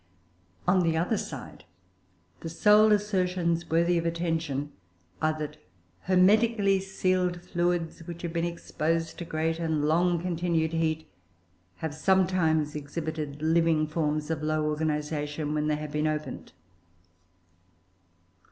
On the other side, the sole assertions worthy of attention are that hermetically sealed fluids, which have been exposed to great and long continued heat, have sometimes exhibited living forms of low organisation when they have been opened.